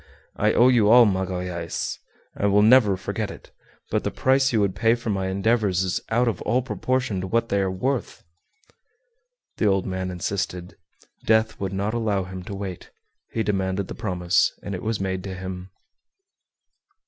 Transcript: "I owe you all, Magalhaës. I will never forget it, but the price you would pay for my endeavors is out of all proportion to what they are worth." The old man insisted. Death would not allow him to wait; he demanded the promise, and it was made to him.